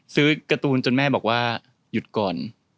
การ์ตูนจนแม่บอกว่าหยุดก่อน